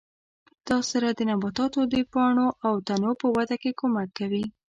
دا سره د نباتاتو د پاڼو او تنو په وده کې کومک کوي.